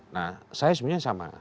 nah saya sebenarnya sama